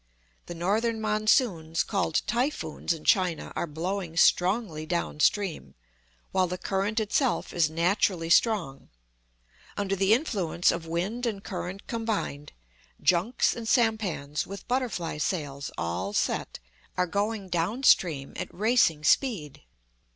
The northern monsoons, called typhoons in China, are blowing strongly down stream, while the current itself is naturally strong; under the influence of wind and current combined, junks and sampans with butterfly sails all set are going down stream at racing speed.